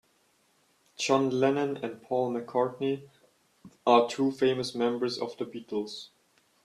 John Lennon and Paul McCartney are two famous members of the Beatles.